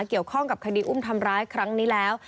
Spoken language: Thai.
เกี่ยวข้องกับคดีอุ้มทำร้ายครั้งนี้แล้ว